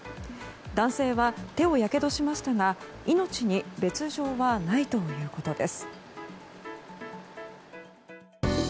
男性は手をやけどしましたが命に別条はないということです。